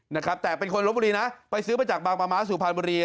นะครับแต่เป็นคนลบบุรีนะไปซื้อมาจากบางปลาม้าสุพรรณบุรี